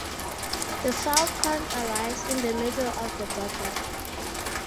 The "Falcon" arrives in the middle of the battle.